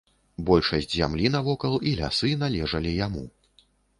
Большасць зямлі навокал і лясы належалі яму.